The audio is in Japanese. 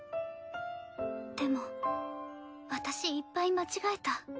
でも私いっぱい間違えた。